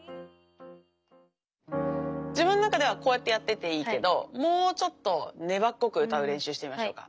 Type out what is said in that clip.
自分の中ではこうやってやってていいけどもうちょっと粘っこく歌う練習してみましょうか。